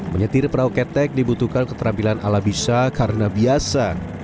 menyetir perahu ketek dibutuhkan keterampilan ala bisa karena biasa